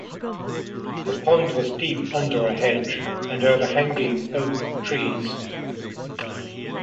The pond was deep under a hedge and overhanging oak trees.